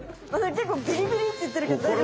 けっこうビリビリっていってるけど大丈夫？